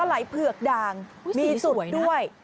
ไหล่เผือกด่างมีสุดด้วย